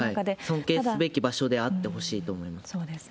尊敬すべき場所であってほしいと思います。